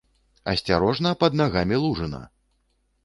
Асцярожна, пад нагамі лужына!